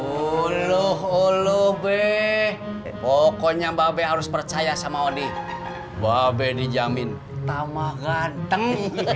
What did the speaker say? uluh uluh be pokoknya mbak harus percaya sama odi mbak dijamin tamah ganteng